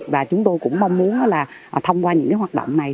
và chúng tôi cũng mong muốn là thông qua những hoạt động này